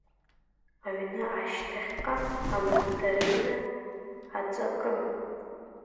Аҩны ашьҭахьҟа амандарина аҵакын.